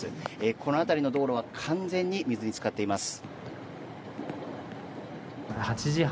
この辺りの道路は完全に水につかっています。